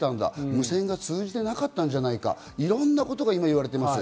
無線が通じていなかったんじゃないか、いろんなことがいわれています。